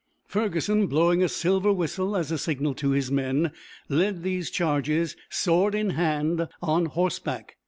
Ferguson, blowing a silver whistle as a signal to his men, led these charges, sword in hand, on horseback.